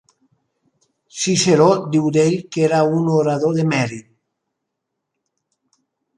Ciceró diu d'ell que era un orador de mèrit.